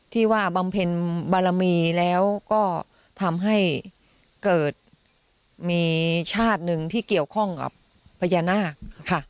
ว่าบำเพ็ญบารมีแล้วก็ทำให้เกิดมีชาติหนึ่งที่เกี่ยวข้องกับพญานาคค่ะ